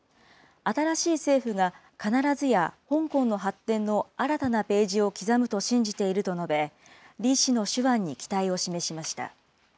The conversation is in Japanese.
新しい政府が必ずや香港の発展の新たなページを刻むと信じていると述べ、李氏の手腕に期待を示しました。